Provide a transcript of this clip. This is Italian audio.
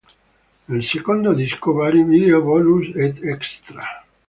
Nel secondo disco vari video bonus ed extra.